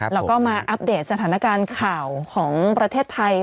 แล้วก็มาอัปเดตข่าวของประเทศไทย